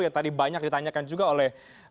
yang tadi banyak ditanyakan juga oleh